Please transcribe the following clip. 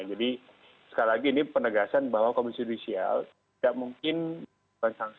jadi sekali lagi ini penegasan bahwa komisi judisial tidak mungkin berangkat